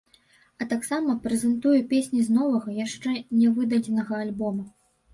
А таксама прэзентуе песні з новага, яшчэ нявыдадзенага альбома.